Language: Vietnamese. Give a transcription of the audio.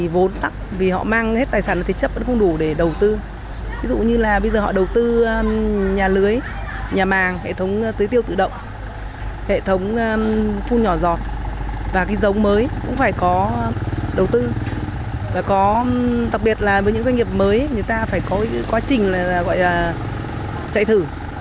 và có đặc biệt là với những doanh nghiệp mới người ta phải có quá trình là gọi là chạy thử